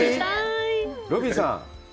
ロビーさん